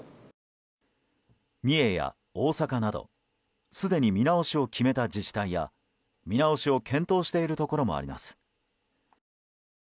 三重や大阪などすでに見直しを決めた自治体や見直しを検討しているところもあります。